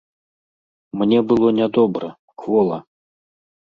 Мне было нядобра, квола.